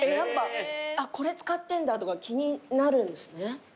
これ使ってんだとか気になるんですね。